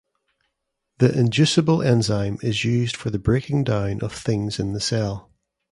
The Inducible enzyme is used for the breaking-down of things in the cell.